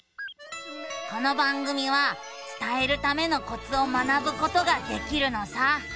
この番組は伝えるためのコツを学ぶことができるのさ。